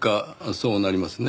「そうなりますね」